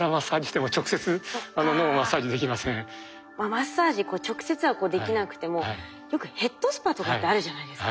マッサージ直接はこうできなくてもよくヘッドスパとかってあるじゃないですか。